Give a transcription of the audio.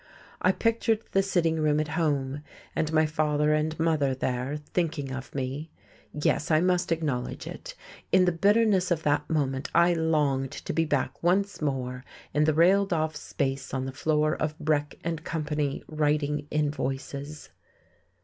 I pictured the sitting room at home, and my father and mother there, thinking of me. Yes, I must acknowledge it; in the bitterness of that moment I longed to be back once more in the railed off space on the floor of Breck and Company, writing invoices....